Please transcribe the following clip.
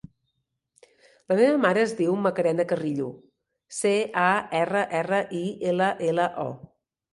La meva mare es diu Macarena Carrillo: ce, a, erra, erra, i, ela, ela, o.